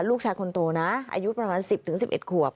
ลูกชายคนโตนะอายุประมาณ๑๐๑๑ขวบ